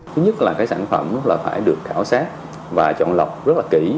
thứ nhất là sản phẩm phải được khảo sát và chọn lọc rất kỹ